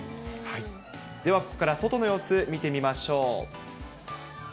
では、ここから外の様子、見てみましょう。